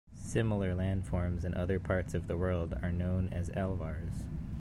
Similar landforms in other parts of the world are known as alvars.